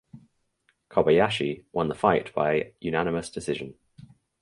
Kobayashi won the fight by unanimous decision.